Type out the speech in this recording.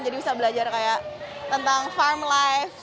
jadi bisa belajar kayak tentang farm life